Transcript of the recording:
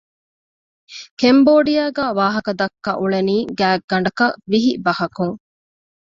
ކެމްބޯޑިއާގައި ވާހަކަ ދައްކަ އުޅެނީ ގާތްގަނޑަކަށް ވިހި ބަހަކުން